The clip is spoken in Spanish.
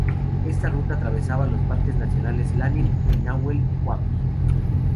Esta ruta atravesaba los parques nacionales Lanín y Nahuel Huapi.